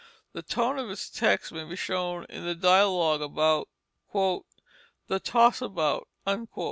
The tone of its text may be shown in the dialogue about "The Toss About."